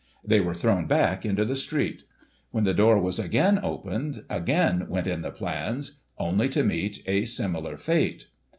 They were thrown back into the street. When the door was again opened, again went in the plans, only to meet a similar fate.